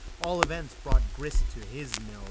All events brought grist to his mill.